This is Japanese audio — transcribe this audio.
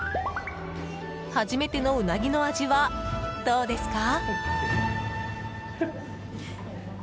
初めてのうなぎの味はどうですか？